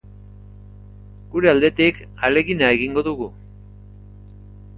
Gure aldetik ahalegina egingo dugu.